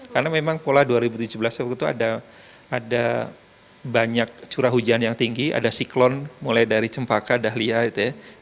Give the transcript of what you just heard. karena memang pola dua ribu tujuh belas waktu itu ada banyak curah hujan yang tinggi ada siklon mulai dari cempaka dahliah itu ya